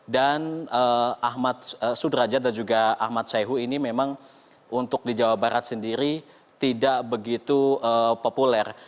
ahmad sudrajat dan juga ahmad sayhu ini memang untuk di jawa barat sendiri tidak begitu populer